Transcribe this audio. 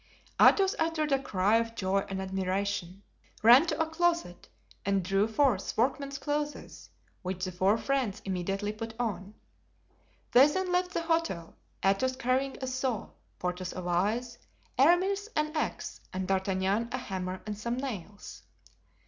Athos uttered a cry of joy and admiration, ran to a closet and drew forth workmen's clothes, which the four friends immediately put on; they then left the hotel, Athos carrying a saw, Porthos a vise, Aramis an axe and D'Artagnan a hammer and some nails.